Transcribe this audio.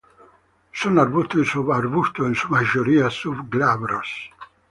Son arbustos y subarbustos, en su mayoría sub glabros.